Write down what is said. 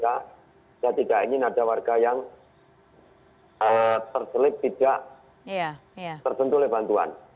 saya tidak ingin ada warga yang terselip tidak tersentuh oleh bantuan